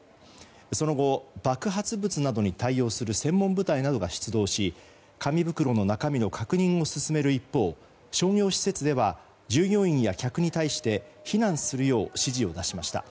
その後、爆発物などに対応する専門部隊などが出動し紙袋の中身の確認を進める一方商業施設では従業員や客に対して避難するよう指示を出しました。